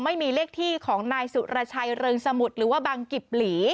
ไม่มีเลขที่ของนายสุรชัยเริงสมุทรหรือว่าบังกิบหลี